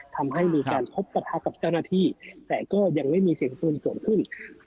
ทำให้มีการพบประทะกับเจ้าหน้าที่แต่ก็ยังไม่มีเสียงปืนเกิดขึ้น